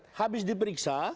dia habis diperiksa